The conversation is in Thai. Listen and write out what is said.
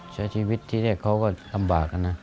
ใช้ชีวิตที่ได้เขาก็ลำบากนะนะ